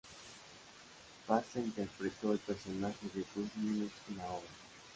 Pace interpretó el personaje de Bruce Niles en la obra.